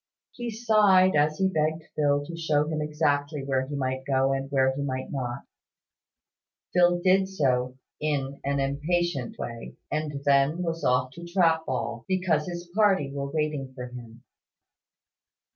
He sighed as he begged Phil to show him exactly where he might go and where he might not Phil did so in an impatient way, and then was off to trap ball, because his party were waiting for him.